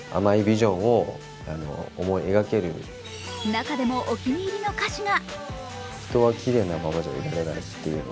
中でもお気に入りの歌詞が。